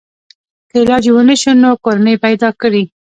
که علاج یې ونشو نو کورنۍ پیدا کړي.